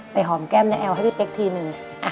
หอมแก้มในแอลให้พี่เป๊กทีนึง